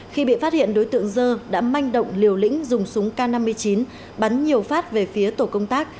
khi bị phát hiện đối tượng dơ đã manh động liều lĩnh dùng súng k năm mươi chín bắn nhiều phát về phía tổ công tác